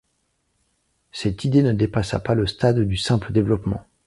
Cette idée ne dépassa pas le stade du simple développement.